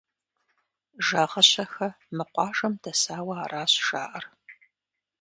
Жагъыщэхэ мы къуажэм дэсауэ аращ жаӀэр.